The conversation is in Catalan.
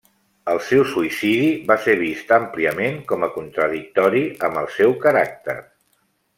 El seu suïcidi va ser vist àmpliament com a contradictori amb el seu caràcter.